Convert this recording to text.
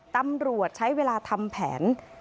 ตำรวจใช้เวลาทำแผน